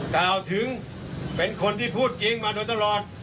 กล่าวถึงเป็นคนที่พูดจริงมาโดยตลอด